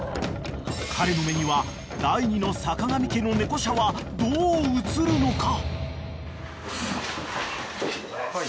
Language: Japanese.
［彼の目には第２の坂上家の猫舎はどう映るのか？］